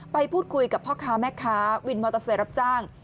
ไปพูดคุยกับพ่อค้าแม่ค้าวินมอเตอร์ไซค์รับจ้าง